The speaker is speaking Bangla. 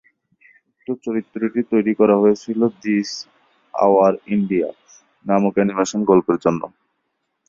উক্ত চরিত্রটি তৈরি করা হয়েছিল "দিস আওয়ার ইন্ডিয়া" নামক অ্যানিমেশন গল্পের জন্য।